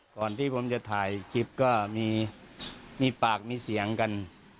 ก่อนที่ผมจะถ่ายคลิปก็มีปากมีเสียงกัน